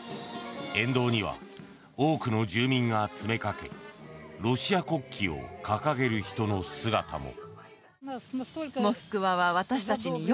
沿道には多くの住民が詰めかけロシア国旗を掲げる人の姿も。